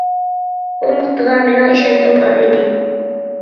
بۇ نۇقتىغا مېنىڭ ئىشەنچىم بار ئىدى.